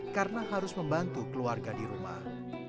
karena harus membantu keluarga di rumah